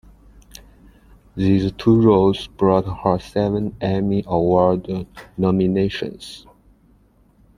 These two roles brought her seven Emmy Award nominations.